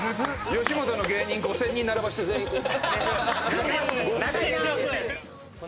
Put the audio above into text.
吉本の芸人５０００人並ばせて全員こう。